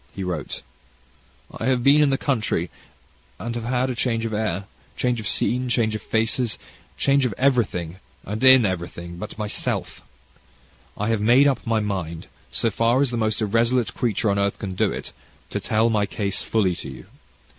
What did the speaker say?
He wrote: "I have been in the country, and have had change of air, change of scene, change of faces, change of everything and in everything but myself. I have made up my mind, so far as the most irresolute creature on earth can do it, to tell my case fully to you.